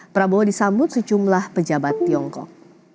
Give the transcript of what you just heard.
prabowo disambut sejumlah pejabat tiongkok